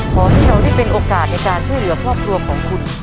ขอให้เราได้เป็นโอกาสในการช่วยเหลือครอบครัวของคุณ